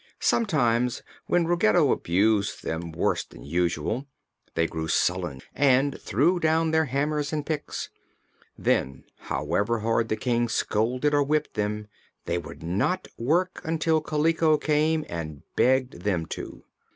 Sometimes, when Ruggedo abused them worse than usual, they grew sullen and threw down their hammers and picks. Then, however hard the King scolded or whipped them, they would not work until Kaliko came and begged them to.